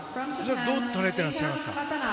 どう捉えていらっしゃいますか？